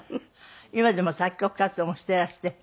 今でも作曲活動もしていらして。